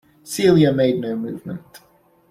Celia made no movement.